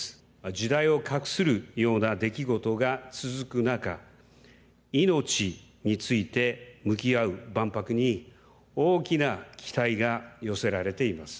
時代を画するような出来事が続く中命について向き合う万博に大きな期待が寄せられています。